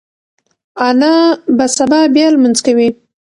انا به سبا بیا لمونځ کوي.